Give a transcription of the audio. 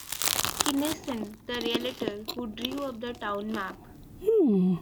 Kinnison, the realtor who drew up the town map.